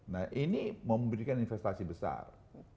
nah ini memberikan investasi besar